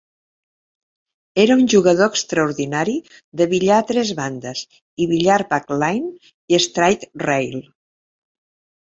Era un jugador extraordinari de billar a tres bandes i billar balkline i straight rail.